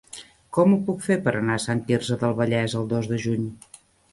Com ho puc fer per anar a Sant Quirze del Vallès el dos de juny?